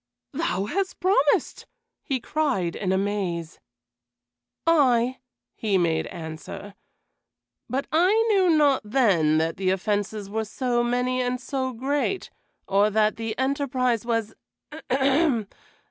"Thou hast promised!" he cried in amaze. "Ay," he made answer, "but I knew not then that the offenses were so many and so great, or that the enterprise was ahem!